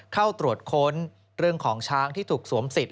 เข้าตรวจค้นเรื่องของช้างที่ถูกสวมสิทธิ